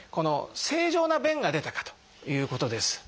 正常な便が出たかということです。